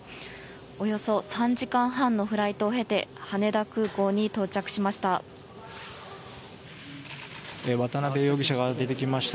およそ３時間半のフライトを経て羽田空港に到着しました。